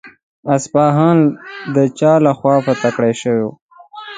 اصفهان د چا له خوا فتح کړای شو؟